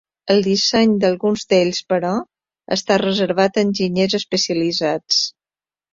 El disseny d'alguns d'ells, però, està reservat a enginyers especialitzats.